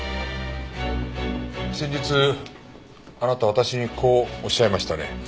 先日あなた私にこうおっしゃいましたね。